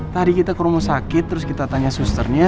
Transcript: tadi kita ke rumah sakit terus kita tanya susternya